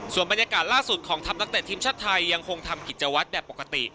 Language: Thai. ส่วนบรรยากาศล่าสุดของทัพนักเตะทีมชาติไทยยังคงทำกิจวัตรแบบปกติ